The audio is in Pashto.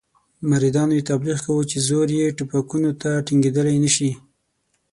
مریدانو یې تبلیغ کاوه چې زور یې ټوپکونو ته ټینګېدلای نه شي.